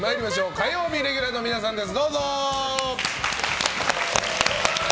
火曜レギュラーの皆さんです。